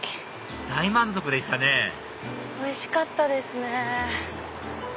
大満足でしたねおいしかったですね。